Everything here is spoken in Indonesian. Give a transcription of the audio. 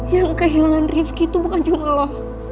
yang kehilangan ripky itu bukan cuma lo